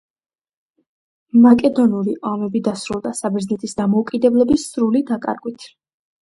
მაკედონური ომები დასრულდა საბერძნეთის დამოუკიდებლობის სრული დაკარგვით.